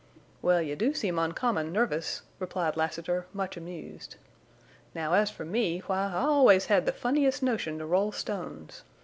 "Well, you do seem uncommon nervous," replied Lassiter, much amused. "Now, as for me, why I always had the funniest notion to roll stones!